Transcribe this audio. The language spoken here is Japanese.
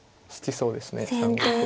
そうですか。